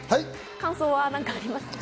感想は何かありますか？